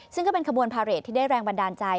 ซึ่งก็เป็นขบวนพาเรทที่ได้แรงบันดาลใจ